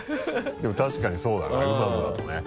でも確かにそうだな「うまむ」だとね。